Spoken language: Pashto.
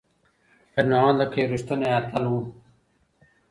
خیر محمد لکه یو ریښتینی اتل و.